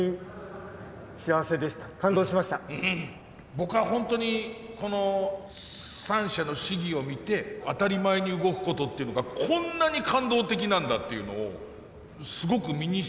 僕はホントにこの３社の試技を見て当たり前に動くことっていうのがこんなに感動的なんだっていうのをすごく身にしみて分かりました。